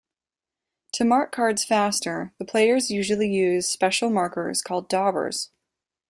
To mark cards faster the players usually use special markers called "daubers".